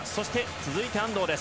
続いて、安藤です。